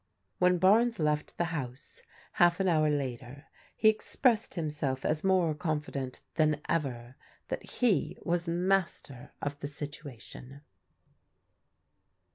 When Barnes left the house, half an hour later, he expressed himself as more confident than ever that he was master of the situation.